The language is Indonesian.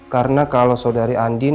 karena kalau saudari andin